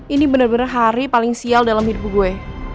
ini bener bener hari paling sial dalam hidup gue